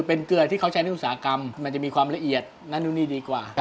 เป็นเกลือที่เขาใช้ในอุตสาหกรรมมันจะมีความละเอียดนั่นนู่นนี่ดีกว่า